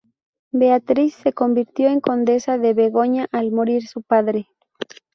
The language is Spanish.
Beatriz se convirtió en condesa de Borgoña al morir su padre.